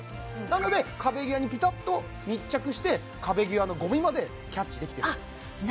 なので壁際にピタッと密着して壁際のゴミまでキャッチできてるんですあっ